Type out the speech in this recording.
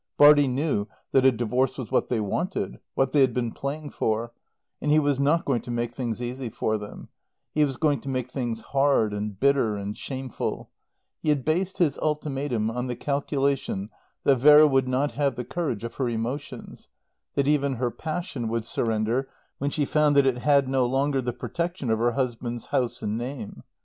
Bartie knew that a divorce was what they wanted, what they had been playing for, and he was not going to make things easy for them; he was going to make things hard and bitter and shameful He had based his ultimatum on the calculation that Vera would not have the courage of her emotions; that even her passion would surrender when she found that it had no longer the protection of her husband's house and name.